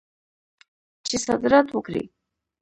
چې صادرات وکړي.